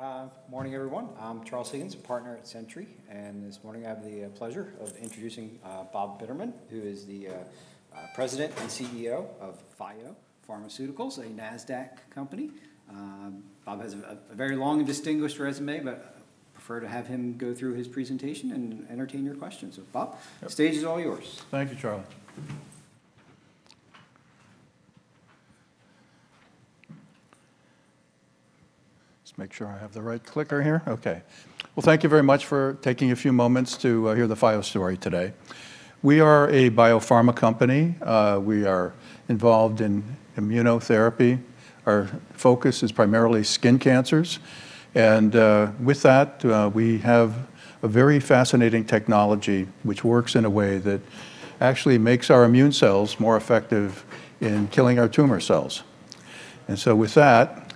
Great. Morning, everyone. I'm Charles Higgins, a Partner at Centri, and this morning I have the pleasure of introducing Bob Bitterman, who is the President and CEO of Phio Pharmaceuticals, a Nasdaq company. Bob has a very long and distinguished resume, but I prefer to have him go through his presentation and entertain your questions. Bob, the stage is all yours. Thank you, Charles. Just make sure I have the right clicker here. Okay. Well, thank you very much for taking a few moments to hear the Phio story today. We are a biopharma company. We are involved in immunotherapy. Our focus is primarily skin cancers. With that, we have a very fascinating technology, which works in a way that actually makes our immune cells more effective in killing our tumor cells. With that,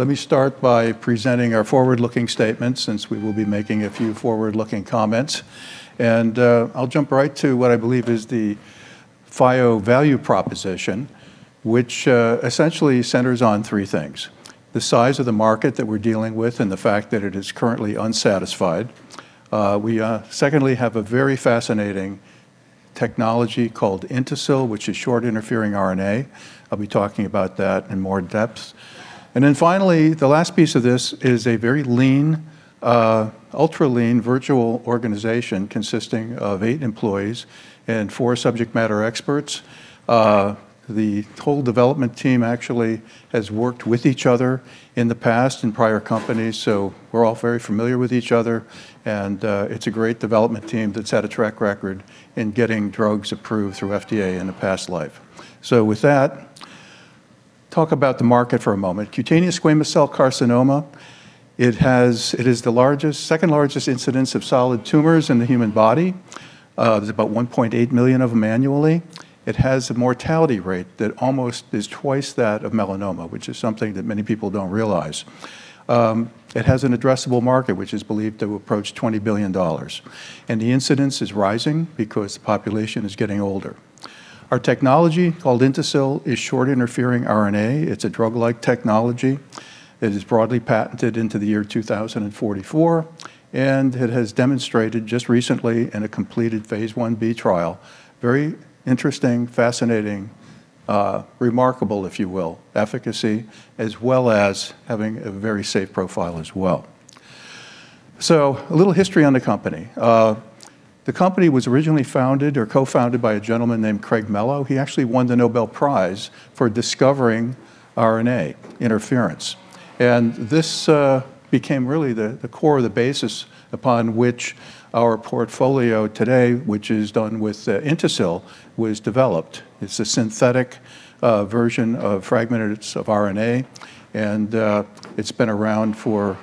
let me start by presenting our forward-looking statement since we will be making a few forward-looking comments. I'll jump right to what I believe is the Phio value proposition, which essentially centers on three things, the size of the market that we're dealing with, and the fact that it is currently unsatisfied. We secondly have a very fascinating technology called INTASYL, which is short interfering RNA. I'll be talking about that in more depth. Finally, the last piece of this is a very lean, ultra lean virtual organization consisting of eight employees and four subject matter experts. The total development team actually has worked with each other in the past in prior companies, so we're all very familiar with each other. It's a great development team that's had a track record in getting drugs approved through FDA in a past life. With that, talk about the market for a moment. Cutaneous squamous cell carcinoma, it is the second largest incidence of solid tumors in the human body. There's about 1.8 million of them annually. It has a mortality rate that almost is twice that of melanoma, which is something that many people don't realize. It has an addressable market, which is believed to approach $20 billion. The incidence is rising because the population is getting older. Our technology, called INTASYL, is short interfering RNA. It's a drug-like technology. It is broadly patented into the year 2044, and it has demonstrated just recently in a completed phase I-B trial, very interesting, fascinating, remarkable, if you will, efficacy, as well as having a very safe profile as well. A little history on the company. The company was originally founded or co-founded by a gentleman named Craig Mello. He actually won the Nobel Prize for discovering RNA interference. This became really the core, the basis upon which our portfolio today, which is done with INTASYL, was developed. It's a synthetic version of fragments of RNA, and it's been around for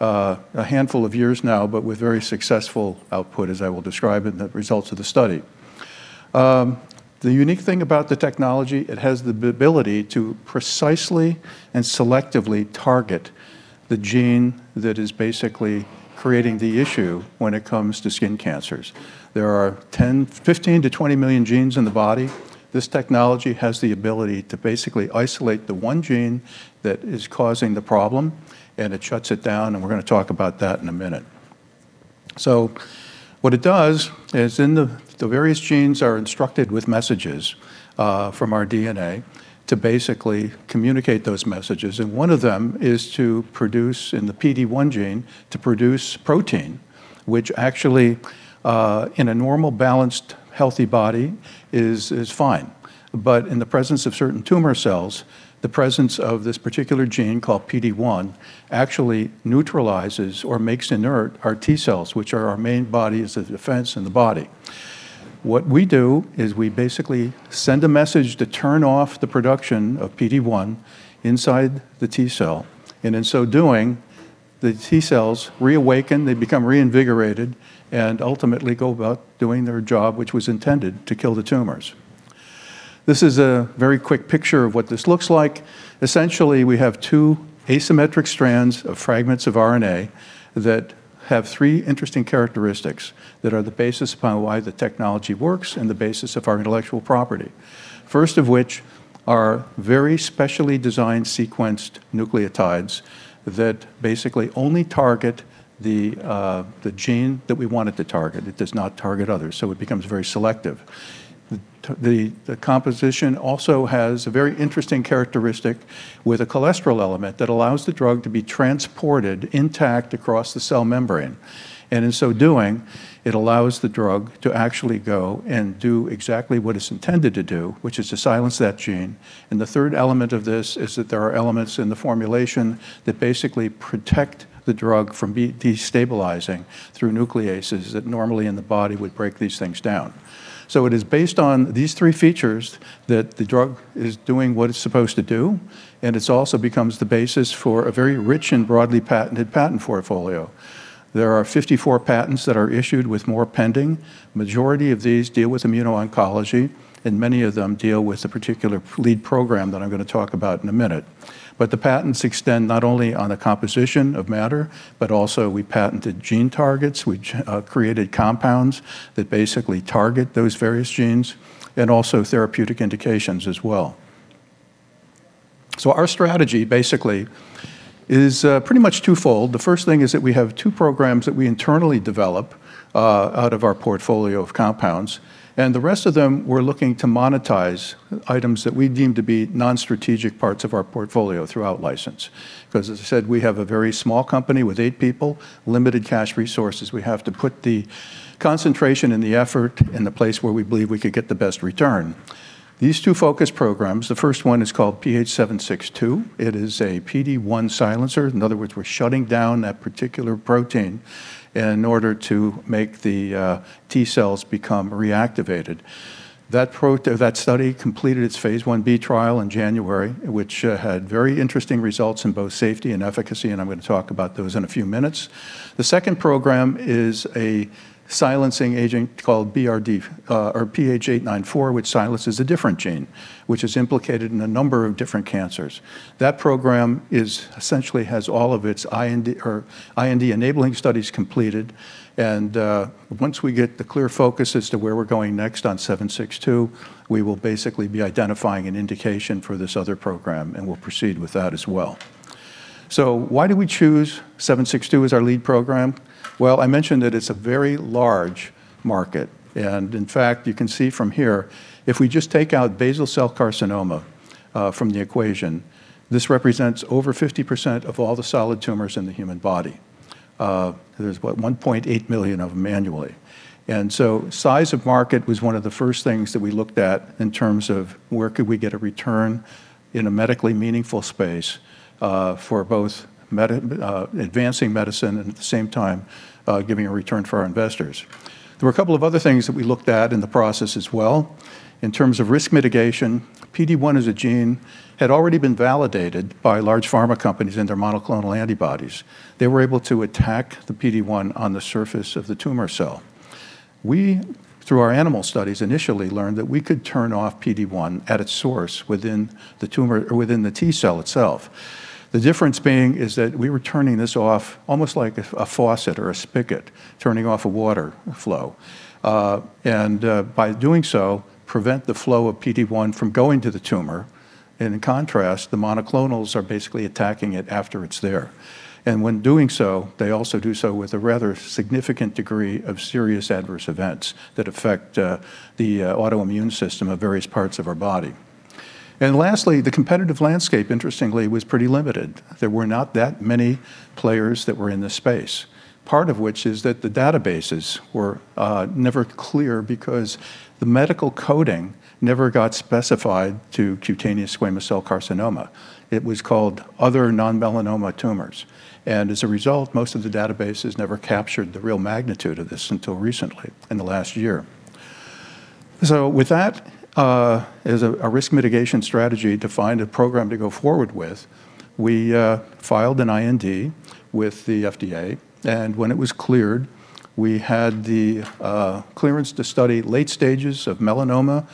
a handful of years now, but with very successful output, as I will describe in the results of the study. The unique thing about the technology, it has the ability to precisely and selectively target the gene that is basically creating the issue when it comes to skin cancers. There are 10, 15 million-20 million genes in the body. This technology has the ability to basically isolate the one gene that is causing the problem, and it shuts it down, and we're going to talk about that in a minute. What it does is the various genes are instructed with messages from our DNA to basically communicate those messages, and one of them is to produce, in the PD-1 gene, to produce protein, which actually, in a normal, balanced, healthy body, is fine. In the presence of certain tumor cells, the presence of this particular gene called PD-1 actually neutralizes or makes inert our T cells, which are our main body's defense in the body. What we do is we basically send a message to turn off the production of PD-1 inside the T cell. In so doing, the T cells reawaken, they become reinvigorated, and ultimately go about doing their job, which was intended to kill the tumors. This is a very quick picture of what this looks like. Essentially, we have two asymmetric strands of fragments of RNA that have three interesting characteristics that are the basis upon why the technology works and the basis of our intellectual property, first of which are very specially designed sequenced nucleotides that basically only target the gene that we want it to target. It does not target others, so it becomes very selective. The composition also has a very interesting characteristic with a cholesterol element that allows the drug to be transported intact across the cell membrane. In so doing, it allows the drug to actually go and do exactly what it's intended to do, which is to silence that gene. The third element of this is that there are elements in the formulation that basically protect the drug from destabilizing through nucleases that normally in the body would break these things down. It is based on these three features that the drug is doing what it's supposed to do, and it also becomes the basis for a very rich and broadly patented patent portfolio. There are 54 patents that are issued with more pending. Majority of these deal with immuno-oncology, and many of them deal with a particular lead program that I'm going to talk about in a minute. The patents extend not only on the composition of matter, but also we patented gene targets. We created compounds that basically target those various genes, and also therapeutic indications as well. Our strategy basically is pretty much twofold. The first thing is that we have two programs that we internally develop out of our portfolio of compounds, and the rest of them, we're looking to monetize items that we deem to be non-strategic parts of our portfolio through out-license. Because as I said, we have a very small company with eight people, limited cash resources, we have to put the concentration and the effort in the place where we believe we could get the best return. These two focus programs, the first one is called PH-762. It is a PD-1 silencer. In other words, we're shutting down that particular protein in order to make the T cells become reactivated. That study completed its phase I-B trial in January, which had very interesting results in both safety and efficacy, and I'm going to talk about those in a few minutes. The second program is a silencing agent called PH-894, which silences a different gene, which is implicated in a number of different cancers. That program essentially has all of its IND-enabling studies completed, and once we get the clear focus as to where we're going next on 762, we will basically be identifying an indication for this other program, and we'll proceed with that as well. Why did we choose 762 as our lead program? Well, I mentioned that it's a very large market, and in fact, you can see from here, if we just take out basal cell carcinoma from the equation, this represents over 50% of all the solid tumors in the human body. There's what? 1.8 million of them annually. Size of market was one of the first things that we looked at in terms of where could we get a return in a medically meaningful space for both advancing medicine and at the same time giving a return for our investors. There were a couple of other things that we looked at in the process as well. In terms of risk mitigation, PD-1 as a gene had already been validated by large pharma companies in their monoclonal antibodies. They were able to attack the PD-1 on the surface of the tumor cell. We, through our animal studies, initially learned that we could turn off PD-1 at its source within the T cell itself. The difference being is that we were turning this off almost like a faucet or a spigot turning off a water flow. By doing so, prevent the flow of PD-1 from going to the tumor. In contrast, the monoclonals are basically attacking it after it's there. When doing so, they also do so with a rather significant degree of serious adverse events that affect the autoimmune system of various parts of our body. Lastly, the competitive landscape, interestingly, was pretty limited. There were not that many players that were in this space. Part of which is that the databases were never clear because the medical coding never got specified to cutaneous squamous cell carcinoma. It was called other non-melanoma tumors. As a result, most of the databases never captured the real magnitude of this until recently in the last year. With that as a risk mitigation strategy to find a program to go forward with, we filed an IND with the FDA, and when it was cleared, we had the clearance to study late stages of melanoma,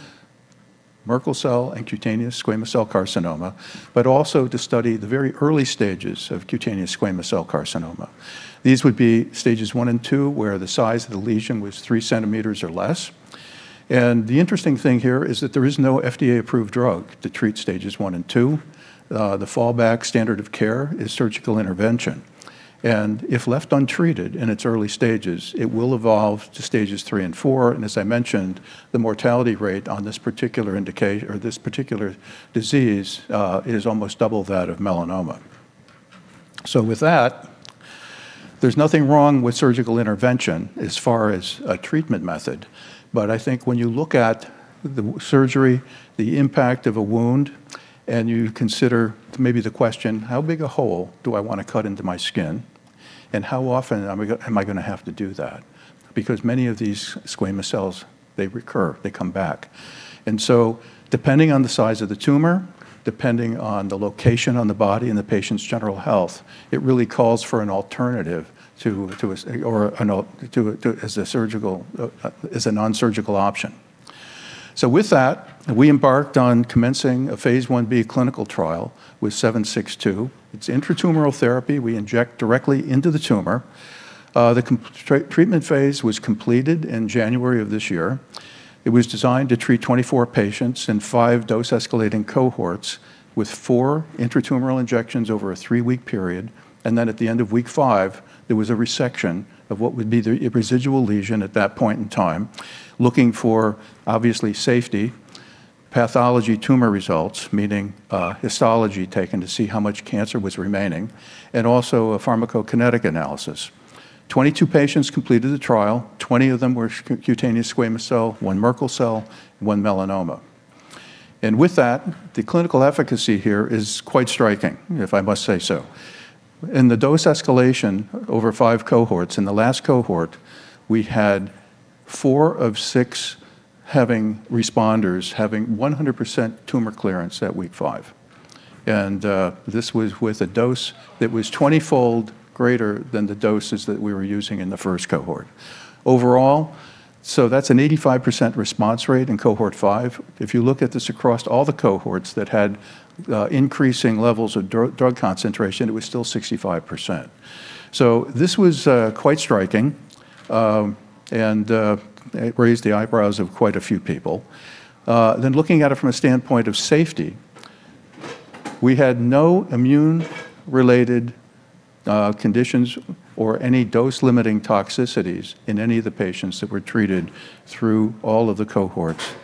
Merkel cell, and cutaneous squamous cell carcinoma, but also to study the very early stages of cutaneous squamous cell carcinoma. These would be stages one and two, where the size of the lesion was three centimeters or less. The interesting thing here is that there is no FDA-approved drug to treat stages one and two. The fallback standard of care is surgical intervention, and if left untreated in its early stages, it will evolve to stages three and four, and as I mentioned, the mortality rate on this particular disease is almost double that of melanoma. There's nothing wrong with surgical intervention as far as a treatment method, but I think when you look at the surgery, the impact of a wound, and you consider maybe the question, how big a hole do I want to cut into my skin? How often am I going to have to do that? Because many of these squamous cells, they recur. They come back. Depending on the size of the tumor, depending on the location on the body, and the patient's general health, it really calls for an alternative as a nonsurgical option. We embarked on commencing a phase I-B clinical trial with 762. It's intratumoral therapy. We inject directly into the tumor. The treatment phase was completed in January of this year. It was designed to treat 24 patients in five dose-escalating cohorts with four intratumoral injections over a three-week period. At the end of week five, there was a resection of what would be the residual lesion at that point in time, looking for, obviously, safety, pathology tumor results, meaning histology taken to see how much cancer was remaining, and also a pharmacokinetic analysis. 22 patients completed the trial. 20 of them were cutaneous squamous cell, one Merkel cell, one melanoma. With that, the clinical efficacy here is quite striking, if I must say so. In the dose escalation over five cohorts, in the last cohort, we had four of six responders having 100% tumor clearance at week five. This was with a dose that was 20-fold greater than the doses that we were using in the first cohort. Overall, that's an 85% response rate in cohort five. If you look at this across all the cohorts that had increasing levels of drug concentration, it was still 65%. This was quite striking. It raised the eyebrows of quite a few people. Looking at it from a standpoint of safety, we had no immune-related conditions or any dose-limiting toxicities in any of the patients that were treated through all of the cohorts.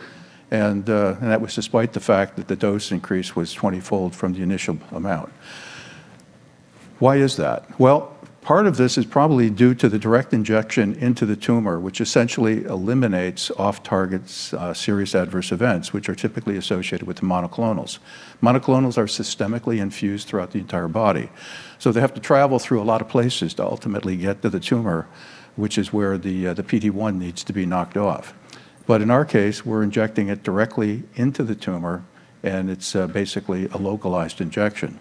That was despite the fact that the dose increase was 20-fold from the initial amount. Why is that? Well, part of this is probably due to the direct injection into the tumor, which essentially eliminates off-target serious adverse events, which are typically associated with monoclonals. Monoclonals are systemically infused throughout the entire body. They have to travel through a lot of places to ultimately get to the tumor, which is where the PD-1 needs to be knocked off. In our case, we're injecting it directly into the tumor, and it's basically a localized injection.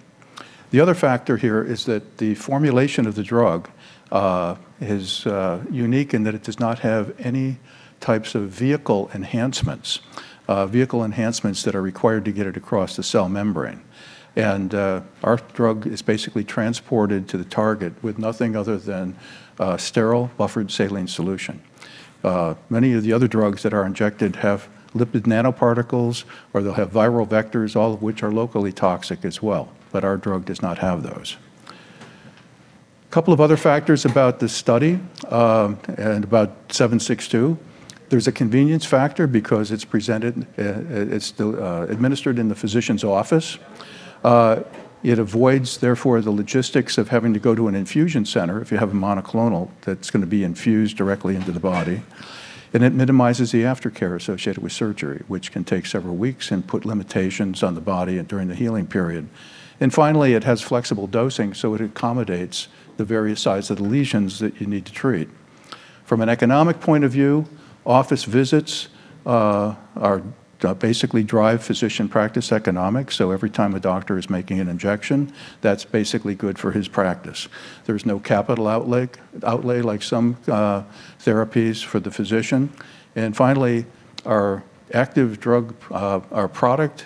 The other factor here is that the formulation of the drug is unique in that it does not have any types of vehicle enhancements that are required to get it across the cell membrane. Our drug is basically transported to the target with nothing other than sterile buffered saline solution. Many of the other drugs that are injected have lipid nanoparticles, or they'll have viral vectors, all of which are locally toxic as well, but our drug does not have those. Couple of other factors about this study, and about 762, there's a convenience factor because it's administered in the physician's office. It avoids, therefore, the logistics of having to go to an infusion center if you have a monoclonal that's going to be infused directly into the body. It minimizes the aftercare associated with surgery, which can take several weeks and put limitations on the body during the healing period. Finally, it has flexible dosing, so it accommodates the various size of the lesions that you need to treat. From an economic point of view, office visits basically drive physician practice economics, so every time a doctor is making an injection, that's basically good for his practice. There's no capital outlay like some therapies for the physician. Finally, our drug product,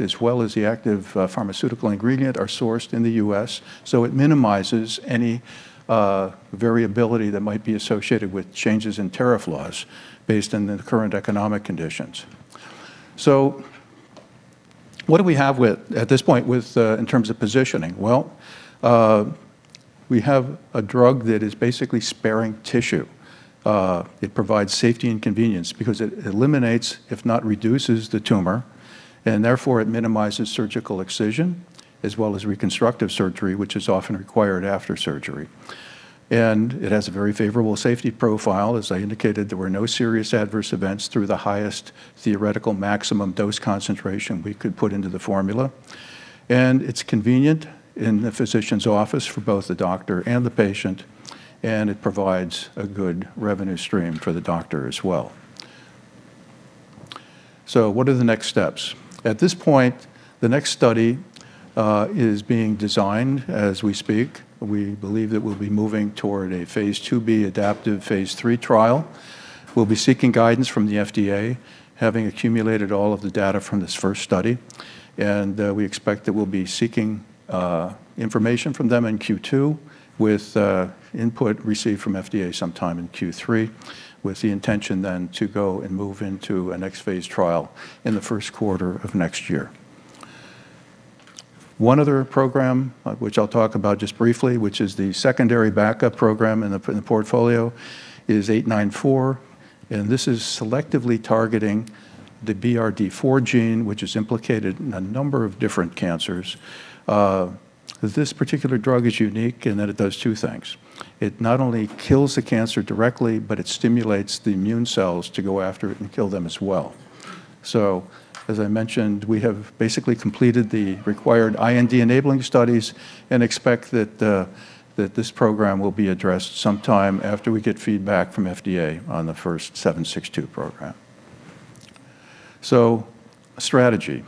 as well as the active pharmaceutical ingredient, are sourced in the U.S., so it minimizes any variability that might be associated with changes in tariff laws based on the current economic conditions. What do we have at this point in terms of positioning? Well, we have a drug that is basically sparing tissue. It provides safety and convenience because it eliminates, if not reduces, the tumor, and therefore it minimizes surgical excision as well as reconstructive surgery, which is often required after surgery. It has a very favorable safety profile. As I indicated, there were no serious adverse events through the highest theoretical maximum dose concentration we could put into the formula. It's convenient in the physician's office for both the doctor and the patient, and it provides a good revenue stream for the doctor as well. What are the next steps? At this point, the next study is being designed as we speak. We believe that we'll be moving toward a phase II-B adaptive phase III trial. We'll be seeking guidance from the FDA, having accumulated all of the data from this first study. We expect that we'll be seeking information from them in Q2, with input received from FDA sometime in Q3, with the intention then to go and move into a next phase trial in the first quarter of next year. One other program, which I'll talk about just briefly, which is the secondary backup program in the portfolio, is 894, and this is selectively targeting the BRD4 gene, which is implicated in a number of different cancers. This particular drug is unique in that it does two things. It not only kills the cancer directly, but it stimulates the immune cells to go after it and kill them as well. As I mentioned, we have basically completed the required IND-enabling studies and expect that this program will be addressed sometime after we get feedback from FDA on the first 762 program. Strategy.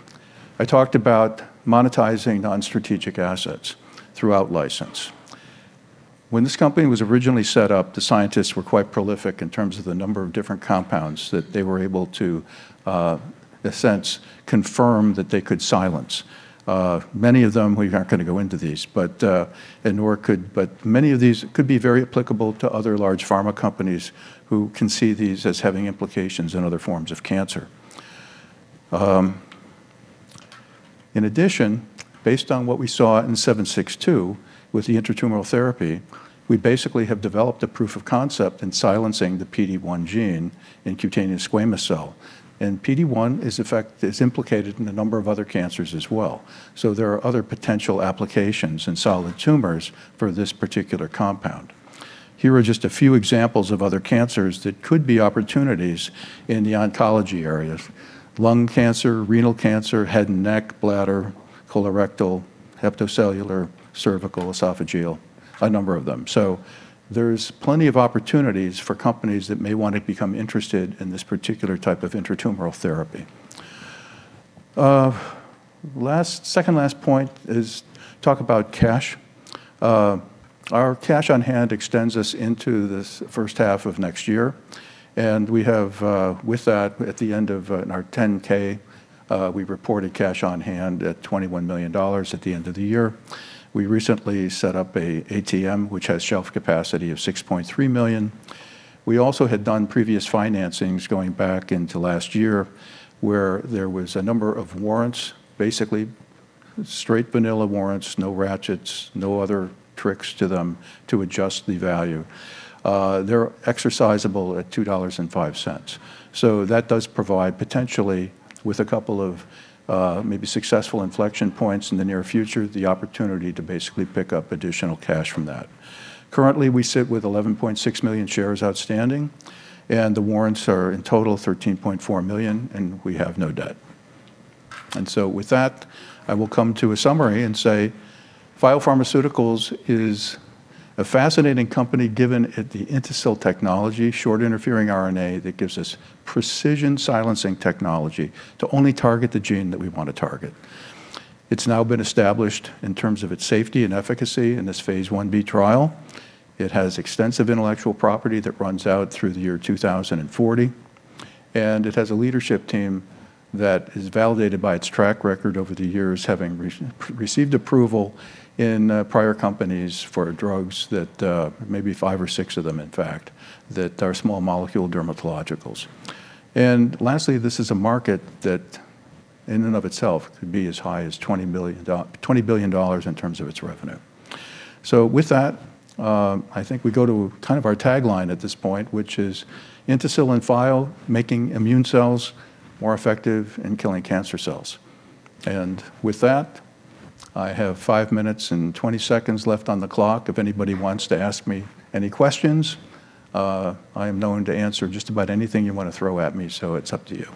I talked about monetizing non-strategic assets through out-license. When this company was originally set up, the scientists were quite prolific in terms of the number of different compounds that they were able to, in a sense, confirm that they could silence. Many of them, we're not going to go into these, but many of these could be very applicable to other large pharma companies who can see these as having implications in other forms of cancer. In addition, based on what we saw in 762 with the intratumoral therapy, we basically have developed a proof of concept in silencing the PD-1 gene in cutaneous squamous cell. PD-1 is implicated in a number of other cancers as well, so there are other potential applications in solid tumors for this particular compound. Here are just a few examples of other cancers that could be opportunities in the oncology area, lung cancer, renal cancer, head and neck, bladder, colorectal, hepatocellular, cervical, esophageal, a number of them. There's plenty of opportunities for companies that may want to become interested in this particular type of intratumoral therapy. Second last point is talk about cash. Our cash on hand extends us into this first half of next year, and with that, at the end of our 10-K, we reported cash on hand at $21 million at the end of the year. We recently set up an ATM, which has shelf capacity of $6.3 million. We also had done previous financings going back into last year where there was a number of warrants, basically straight vanilla warrants, no ratchets, no other tricks to them to adjust the value. They're exercisable at $2.05. That does provide, potentially, with a couple of maybe successful inflection points in the near future, the opportunity to basically pick up additional cash from that. Currently, we sit with 11.6 million shares outstanding, and the warrants are in total 13.4 million, and we have no debt. With that, I will come to a summary and say Phio Pharmaceuticals is a fascinating company given the INTASYL technology, short interfering RNA that gives us precision silencing technology to only target the gene that we want to target. It's now been established in terms of its safety and efficacy in this phase I-B trial. It has extensive intellectual property that runs out through the year 2040, and it has a leadership team that is validated by its track record over the years, having received approval in prior companies for drugs, maybe five or six of them in fact, that are small molecule dermatologicals. Lastly, this is a market that in and of itself could be as high as $20 billion in terms of its revenue. With that, I think we go to kind of our tagline at this point, which is INTASYL and Phio, making immune cells more effective and killing cancer cells. With that, I have five minutes and 20 seconds left on the clock if anybody wants to ask me any questions. I am known to answer just about anything you want to throw at me, so it's up to you.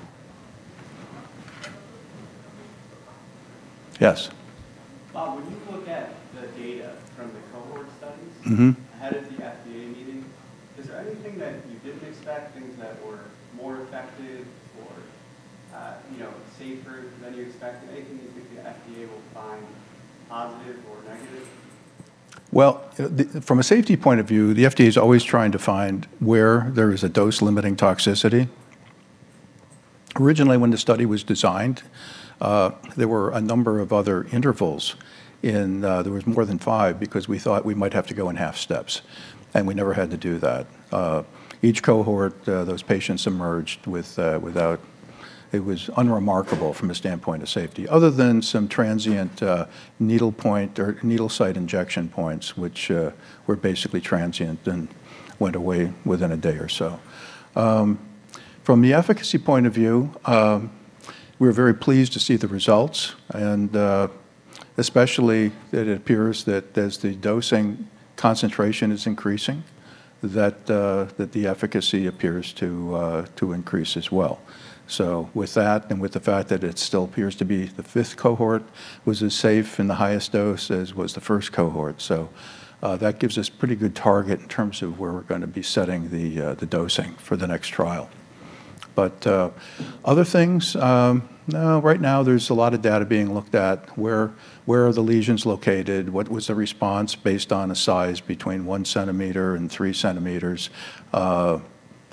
Yes. Bob, when you look at the data from the cohort studies. Mm-hmm Ahead of the FDA meeting, is there anything that you didn't expect, things that were more effective or safer than you expected? Anything you think the FDA will find positive or negative? Well, from a safety point of view, the FDA's always trying to find where there is a dose-limiting toxicity. Originally when the study was designed, there were a number of other intervals. There was more than five because we thought we might have to go in half steps, and we never had to do that. Each cohort, those patients emerged. It was unremarkable from a standpoint of safety other than some transient needle point or needle site injection points, which were basically transient and went away within a day or so. From the efficacy point of view, we were very pleased to see the results, and especially it appears that as the dosing concentration is increasing, that the efficacy appears to increase as well. With that and with the fact that it still appears to be the fifth cohort was as safe in the highest dose as was the first cohort. That gives us pretty good target in terms of where we're going to be setting the dosing for the next trial. Other things, no, right now there's a lot of data being looked at. Where are the lesions located? What was the response based on a size between one centimeter and three centimeters?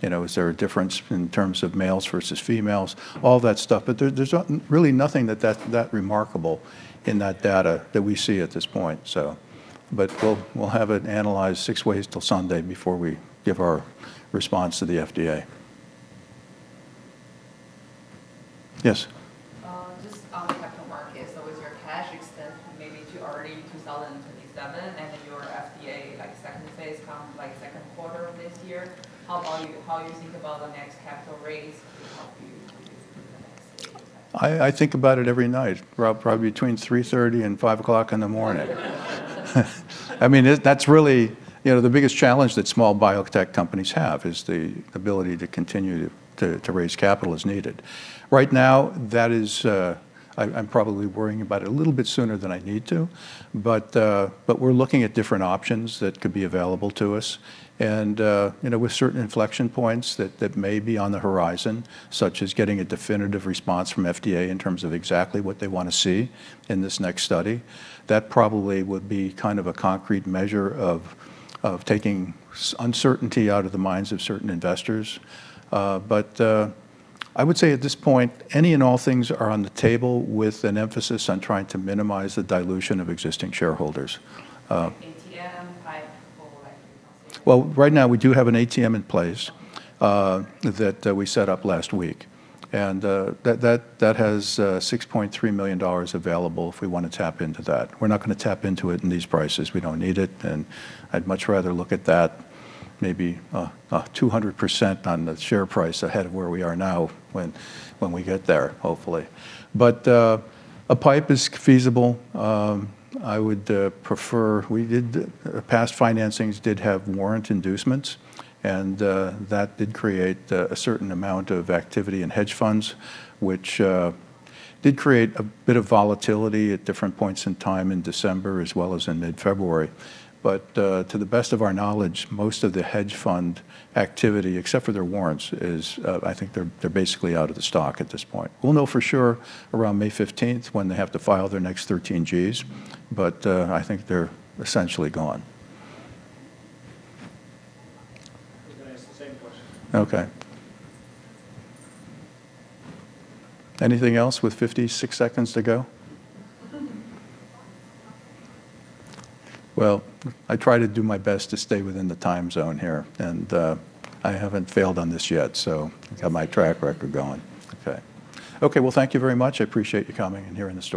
Is there a difference in terms of males versus females? All that stuff, but there's really nothing that remarkable in that data that we see at this point. We'll have it analyzed six ways till Sunday before we give our response to the FDA. Yes. Just on the capital markets. So with your cash extent, maybe to already 2027, and your FDA second phase comes second quarter of this year, how you think about the next capital raise. I think about it every night, probably between 3:30 A.M. and 5:00 A.M. That's really the biggest challenge that small biotech companies have is the ability to continue to raise capital as needed. Right now, I'm probably worrying about it a little bit sooner than I need to. We're looking at different options that could be available to us, and with certain inflection points that may be on the horizon, such as getting a definitive response from FDA in terms of exactly what they want to see in this next study. That probably would be kind of a concrete measure of taking uncertainty out of the minds of certain investors. I would say at this point, any and all things are on the table with an emphasis on trying to minimize the dilution of existing shareholders. Well, right now we do have an ATM in place that we set up last week, and that has $6.3 million available if we want to tap into that. We're not going to tap into it at these prices. We don't need it, and I'd much rather look at that maybe 200% on the share price ahead of where we are now when we get there, hopefully. A PIPE is feasible. Past financings did have warrant inducements, and that did create a certain amount of activity in hedge funds, which did create a bit of volatility at different points in time in December as well as in mid-February. To the best of our knowledge, most of the hedge fund activity, except for their warrants, I think they're basically out of the stock at this point. We'll know for sure around May 15th when they have to file their next 13Gs, but I think they're essentially gone. Okay. Anything else with 56 seconds to go? Well, I try to do my best to stay within the time zone here, and I haven't failed on this yet, so I've got my track record going. Okay, well, thank you very much. I appreciate you coming and hearing the story.